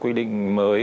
quy định mới